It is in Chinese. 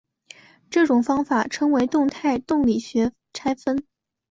这种方法称为动态动力学拆分。